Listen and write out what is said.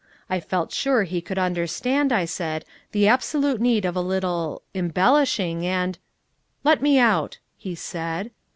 I felt sure he could understand, I said, the absolute need of a little embellishing and "Let me out," he said.